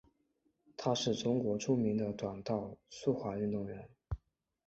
她是中国著名的短道速滑运动员。